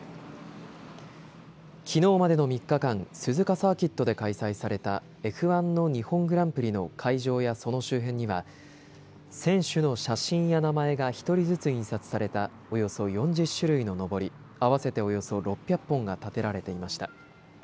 きのうまでの３日間、鈴鹿サーキットで開催されたＦ１の日本グランプリの会場やその周辺には選手の写真や名前が１人ずつ印刷されたおよそ４０種類ののぼり、合わせておよそ６００本が立てられていました。